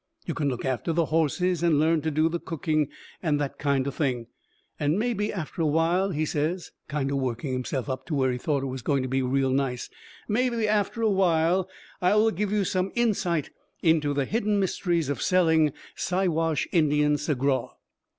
You can look after the horses and learn to do the cooking and that kind o' thing. And maybe after while," he says, kind o' working himself up to where he thought it was going to be real nice, "maybe after while I will give you some insight into the hidden mysteries of selling Siwash Indian Sagraw."